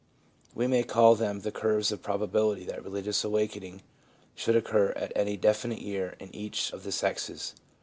We may call them the curves of proba bility that religious awakening should occur at any definite year in each of the sexes.